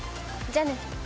じゃあね。